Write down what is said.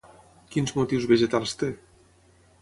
Quins motius vegetals té?